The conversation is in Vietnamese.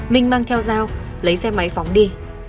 minh mang theo dao lấy xe máy phóng đi